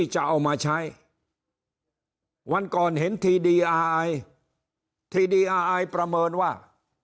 จะเอามาใช้วันก่อนเห็นทีดีอาไอทีดีอายประเมินว่า